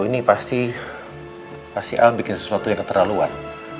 ini pasti al bikin sesuatu yang keterlaluan